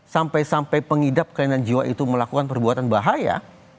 sampai sampai pengidap kelainan jiwa itu melakukan perbuatan bahaya